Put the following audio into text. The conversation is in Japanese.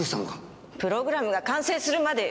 プログラムが完成するまでよ！